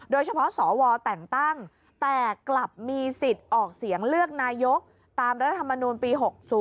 โดยเฉพาะสวแต่งตั้งแต่กลับมีสิทธิ์ออกเสียงเลือกนายกตามรัฐธรรมนูลปี๖๐